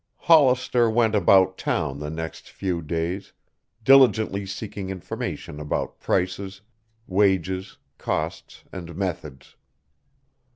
Hollister went about town the next few days, diligently seeking information about prices, wages, costs and methods.